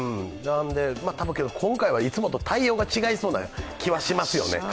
ただ、今回はいつもと対応が違いそうな気はしますよね。